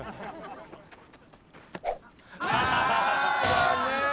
残念。